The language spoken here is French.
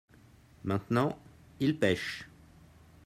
maintenant ils pêchent.